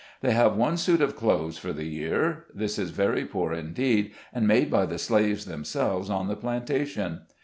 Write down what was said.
They have one suit of clothes for the year. This is very poor indeed, and made by the slaves themselves on the plantation.